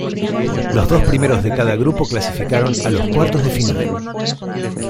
Los dos primeros de cada grupo clasificaron a los cuartos de final.